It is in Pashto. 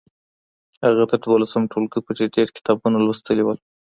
هغه تر دولسم ټولګي پورې ډیر کتابونه لوستي وو.